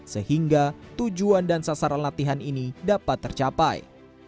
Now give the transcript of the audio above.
sehingga tujuan dan sasaran latihan ini dapat tercapai